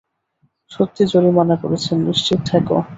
সত্যি জরিমানা করেছেন, নিশ্চিত থাকো।